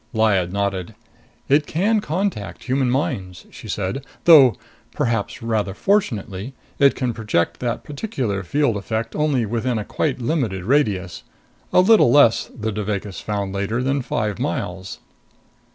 Lyad nodded. "It can contact human minds," she said, "though, perhaps rather fortunately, it can project that particular field effect only within a quite limited radius. A little less, the Devagas found later, than five miles."